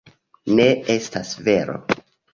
Ne, estas vero.